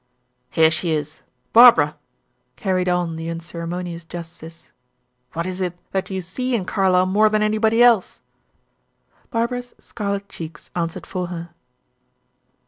"Here she is. Barbara," carried on the unceremonious justice, "what is it that you see in Carlyle more than anybody else?" Barbara's scarlet cheeks answered for her.